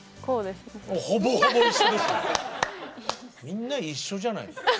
みんな一緒じゃない。